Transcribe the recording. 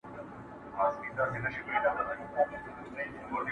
اوس مي تا ته دي راوړي سوغاتونه!.